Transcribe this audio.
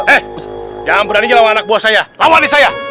eh jangan berani nyerang anak buah saya lawan dia saya